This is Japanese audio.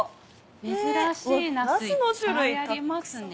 珍しいナスいっぱいありますね。